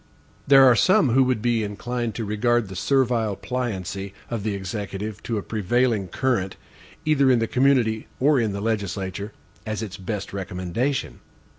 There are some who would be inclined to regard the servile pliancy of the Executive to a prevailing current, either in the community or in the legislature, as its best recommendation.